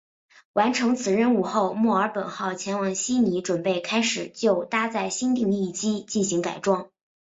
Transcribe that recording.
完成此任务后墨尔本号前往悉尼准备开始就搭载新定翼机进行改装。